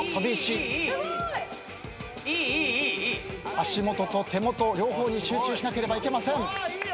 足元と手元両方に集中しなければいけません。